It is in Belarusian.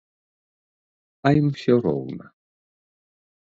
А ім усё роўна.